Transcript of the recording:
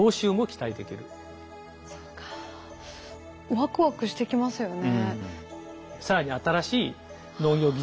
ワクワクしてきますよね。